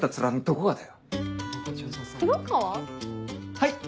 はい！